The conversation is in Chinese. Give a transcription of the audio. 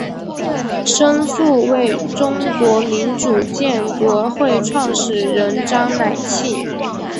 生父为中国民主建国会创始人章乃器。